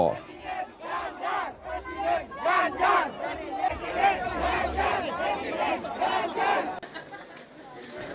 presiden ganjar presiden ganjar